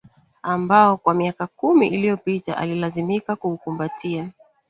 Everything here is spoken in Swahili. ambao kwa miaka kumi iliyopita alilazimika kuukumbatia